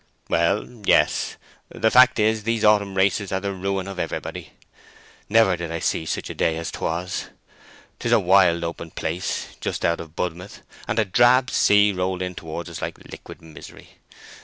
"Well, yes. The fact is, these autumn races are the ruin of everybody. Never did I see such a day as 'twas! 'Tis a wild open place, just out of Budmouth, and a drab sea rolled in towards us like liquid misery.